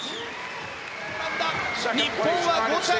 日本は５着。